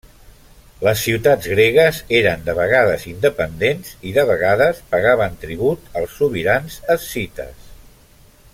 Les ciutats gregues eren de vegades independents i de vegades pagaven tribut als sobirans escites.